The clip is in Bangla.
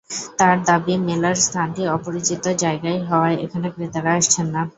তাঁর দাবি, মেলার স্থানটি অপরিচিত জায়গায় হওয়ায় এখানে ক্রেতারা আসছেন না।